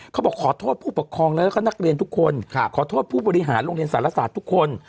ขอโทษผู้ปกครองแล้วก็นักเรียนทุกคนขอโทษผู้บริหารโรงเรียนสารศาสตร์ทุกคน